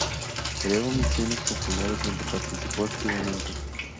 Creo misiones populares, donde participó activamente.